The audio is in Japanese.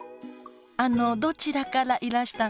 あのどちらからいらしたの？